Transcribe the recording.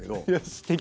すてき。